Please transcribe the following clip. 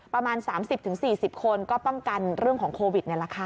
ประมาณ๓๐๔๐คนก็ป้องกันเรื่องของโควิดนี่แหละค่ะ